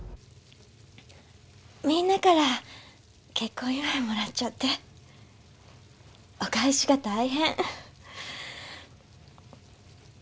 みんなから結婚祝いもらっちゃってお返しが大変。